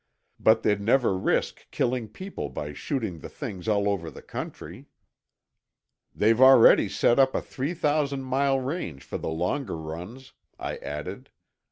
"But they'd never risk killing people by shooting the things all over the country." "They've already set up a three thousand mile range for the longer runs," I added.